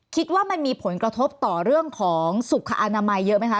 คิดว่ามันมีผลกระทบต่อเรื่องของสุขอนามัยเยอะไหมคะ